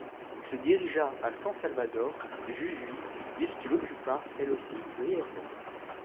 Il se dirigea à San Salvador de Jujuy, ville qu’il occupa, elle aussi, brièvement.